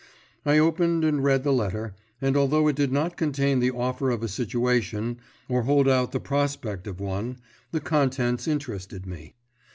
I opened and read the letter, and although it did not contain the offer of a situation, or hold out the prospect of one, the contents interested me.